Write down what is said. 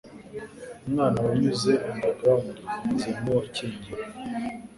Umwana wanyuze underground ameze nkuwa kingiwe